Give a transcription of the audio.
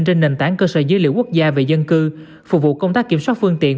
trên nền tảng cơ sở dữ liệu quốc gia về dân cư phục vụ công tác kiểm soát phương tiện